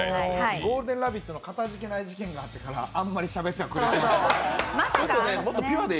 「ゴールデンラヴィット！」のかたじけない事件があってからあんまりしゃべっていただけない。